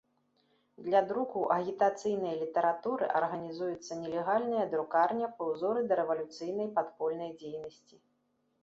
Для друку агітацыйнай літаратуры арганізуецца нелегальная друкарня па ўзоры дарэвалюцыйнай падпольнай дзейнасці.